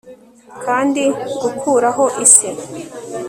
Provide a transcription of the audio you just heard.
kandi gukuraho isi